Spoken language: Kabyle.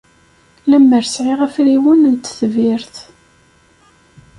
Lemmer sɛiɣ afriwen n tetbirt.